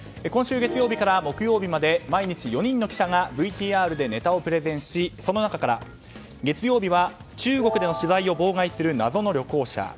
今週月曜日から木曜日まで毎日４人の記者がＶＴＲでネタをプレゼンしその中から月曜日は中国での取材を妨害する謎の旅行者。